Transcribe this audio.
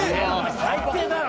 最低だな！